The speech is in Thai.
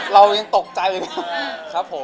เรายังตกใจเลย